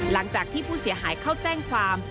หลังจากที่ผู้เสียหายเข้าแจ้งความ